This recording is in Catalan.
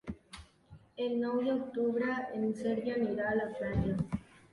El nou d'octubre en Sergi anirà a la platja.